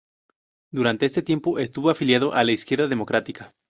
Durante este tiempo estuvo afiliado a la Izquierda Democrática.